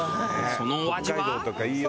そのお味は？